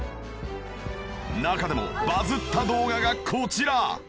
中でもバズった動画がこちら。